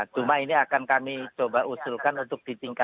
cuma ini akan kami coba usulkan untuk ditingkatkan